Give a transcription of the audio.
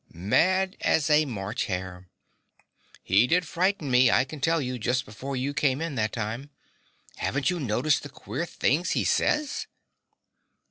Mad as a March hare. He did frighten me, I can tell you just before you came in that time. Haven't you noticed the queer things he says?